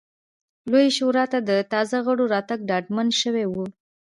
لویې شورا ته د تازه غړو راتګ ډاډمن شوی و